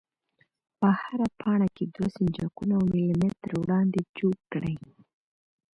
په هره پاڼه کې دوه سنجاقونه او ملي متره وړاندې چوګ کړئ.